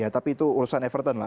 tapi itu urusan everton lah